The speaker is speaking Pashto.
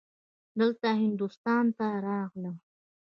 دلته هندوستان ته راغلم.